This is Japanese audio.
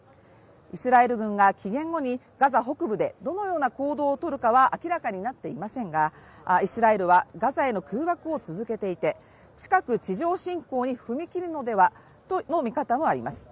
イスラエル軍が期限後にガザ北部でどのような行動をとるかは明らかになっていませんが、イスラエルはガザへの空爆を続けていて近く地上侵攻に踏み切るのではとの見方もあります。